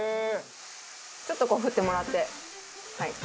ちょっとこう振ってもらって。